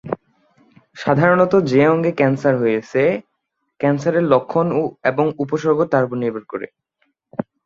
সাধারণত যে অঙ্গে ক্যান্সার হয়েছে, ক্যান্সারের লক্ষণ এবং উপসর্গ তার ওপর নির্ভর করে।